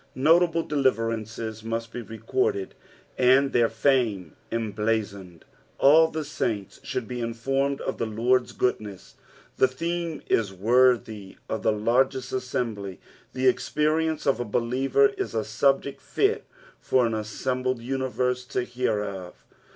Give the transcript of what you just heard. Notable deliver ancea must bo recorded, and their fame emblazoned. All the saints should be informed of the Lord's goodness. The theme is worthy of the largest assembly , the experience of a belierer is a subject fit for an assembled universe to hear of.